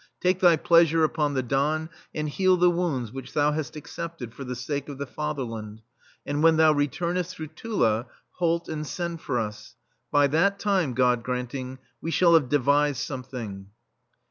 Take thy plea sure upon the Don, and heal the wounds which thou hast accepted for the sake of the Fatherland, and when thou re turnest through Tula, halt and send for us. By that time, God granting, we shall have devised something."